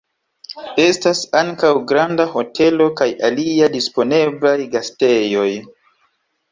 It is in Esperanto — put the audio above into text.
Estas ankaŭ granda hotelo kaj aliaj disponeblaj gastejoj.